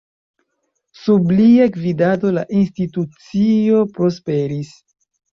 Sub lia gvidado la institucio prosperis.